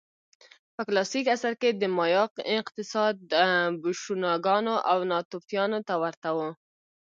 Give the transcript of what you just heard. په کلاسیک عصر کې د مایا اقتصاد بوشونګانو او ناتوفیانو ته ورته و